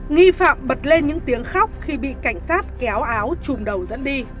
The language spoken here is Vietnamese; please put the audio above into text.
nghi phạm bật lên những tiếng khóc khi bị cảnh sát kéo áo chùm đầu dẫn đi